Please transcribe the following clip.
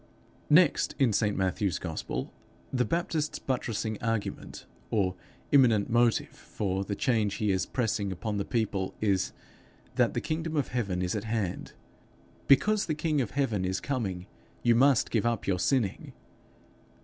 Next, in St Matthew's gospel, the Baptist's buttressing argument, or imminent motive for the change he is pressing upon the people is, that the kingdom of heaven is at hand: 'Because the king of heaven is coming, you must give up your sinning.'